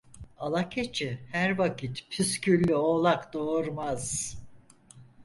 Ala keçi her vakit püsküllü oğlak doğurmaz.